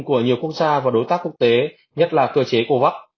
của nhiều quốc gia và đối tác quốc tế nhất là cơ chế covax